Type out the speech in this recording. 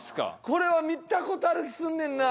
これは見た事ある気すんねんな。